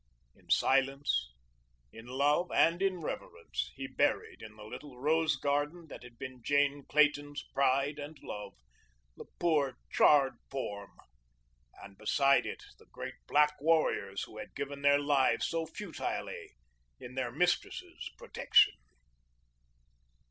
In silence, in love, and in reverence he buried, in the little rose garden that had been Jane Clayton's pride and love, the poor, charred form and beside it the great black warriors who had given their lives so futilely in their mistress' protection.